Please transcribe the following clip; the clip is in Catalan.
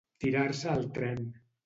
Tirar-se al tren.